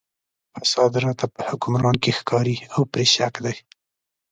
فساد راته په حکمران کې ښکاري او پرې شک دی.